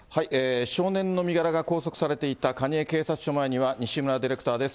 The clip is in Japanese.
少年の身柄が拘束されていた蟹江警察署前には、西村ディレクターです。